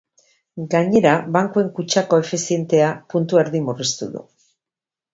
Gainera, bankuen kutxa koefizientea puntu erdi murriztu du.